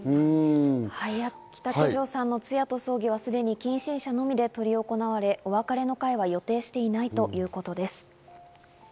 あき竹城さんの通夜と葬儀は、すでに近親者のみで執り行われ、お別れの会は予定していないということです。